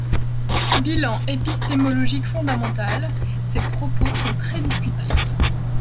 Bilan épistémologique fondamental, ses propos sont très discutés.